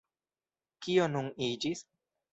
Kio nun iĝis?